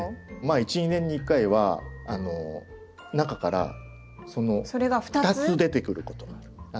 １２年に１回は中から２つ出てくることがある。